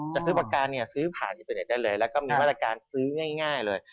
จะซื้อประการเนี่ยซื้อผ่านอินเตอร์เน็ตได้เลยแล้วก็มีมาตรการซื้อง่ายเลย